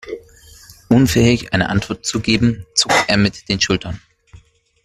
Unfähig eine Antwort zu geben, zuckt er mit den Schultern.